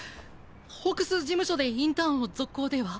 ホークス事務所でインターンを続行では。